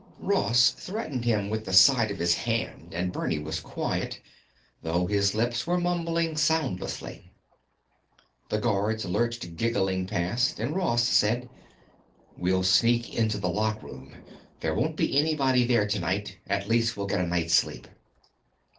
Ross threatened him with the side of his hand and Bernie was quiet, though his lips were mumbling soundlessly. The guards lurched giggling past and Ross said: "We'll sneak into the lockroom. There won't be anybody there tonight; at least we'll get a night's sleep."